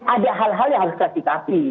ada hal hal yang harus kita sikapikapi